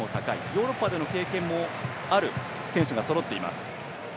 ヨーロッパでの経験もある選手がそろっています。